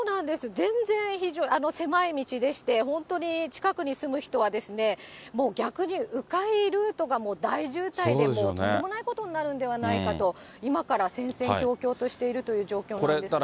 全然、狭い道でして、本当に近くに住む人は、もう逆にう回ルートがもう大渋滞で、もうとんでもないことになるんではないかと、今から戦々恐々としているという状況なんですね。